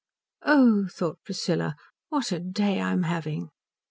"Oh," thought Priscilla, "what a day I'm having."